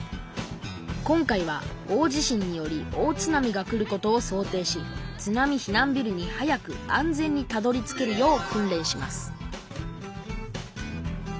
今回は大地震により大津波が来ることを想定し津波避難ビルに早く安全にたどりつけるよう訓練します